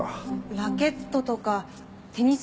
ラケットとかテニス